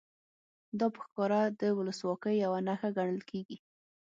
دا په ښکاره د ولسواکۍ یوه نښه ګڼل کېږي.